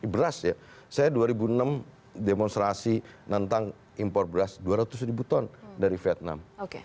beras ya saya dua ribu enam demonstrasi nantang impor beras dua ratus ribu ton dari vietnam